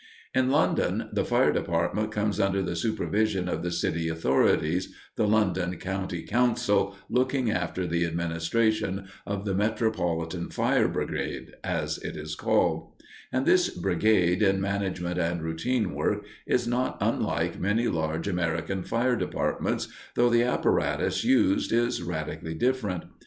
In London, the fire department comes under the supervision of the city authorities, the London County Council looking after the administration of the "Metropolitan Fire Brigade," as it is called; and this brigade, in management and routine work, is not unlike many large American fire departments, though the apparatus used is radically different.